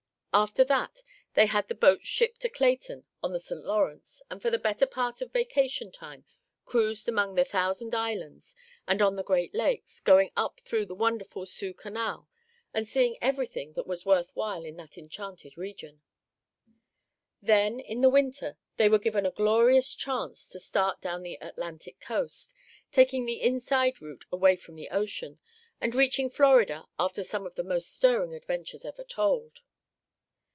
After that they had the boats shipped to Clayton on the St. Lawrence; and for the better part of vacation time cruised among the Thousand Islands, and on the Great Lakes, going up through the wonderful Soo Canal, and seeing everything that was worth while in that enchanted region. Then, in the winter, they were given a glorious chance to start down the Atlantic coast, taking the inside route away from the ocean, and reaching Florida after some of the most stirring adventures ever told.